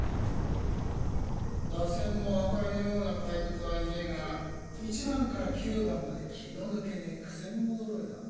打線も赤井のような怪物はいねぇが１番から９番まで気の抜けねぇ曲者揃いだ。